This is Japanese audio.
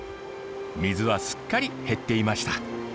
水はすっかり減っていました。